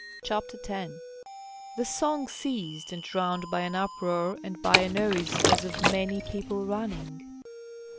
CHAPTER X The song ceased, drowned by an uproar and by a noise as of many people running.